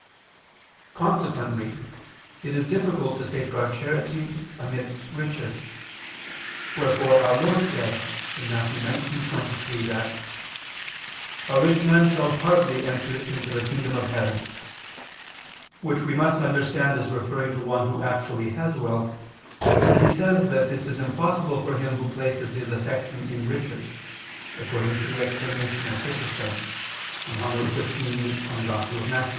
Consequently it is difficult to safeguard charity amidst riches: wherefore our Lord said (Matt. 19:23) that "a rich man shall hardly enter into the kingdom of heaven," which we must understand as referring to one who actually has wealth, since He says that this is impossible for him who places his affection in riches, according to the explanation of Chrysostom (Hom. lxiii in Matth.)